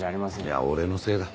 いや俺のせいだ。